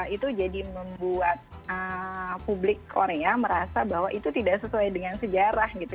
itu jadi membuat publik korea merasa bahwa itu tidak sesuai dengan sejarah gitu